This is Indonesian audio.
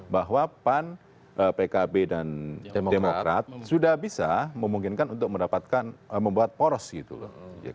bahwa pan pkb dan demokrat sudah bisa memungkinkan untuk mendapatkan membuat poros gitu loh